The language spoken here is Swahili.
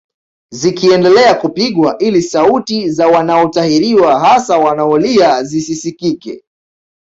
Zikiendelea kupigwa ili sauti za wanaotahiriwa hasa wanaolia zisisikike